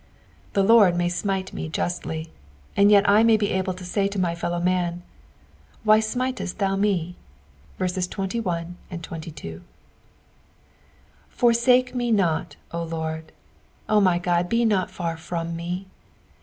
The Lord may smite me justly, and yet I may be able to aay to my fellow man, " Why smitest thou me I" 21 Forsake me not, O LORD : O my God, be not far from me.